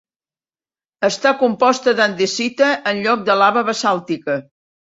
Està composta d'andesita en lloc de lava basàltica.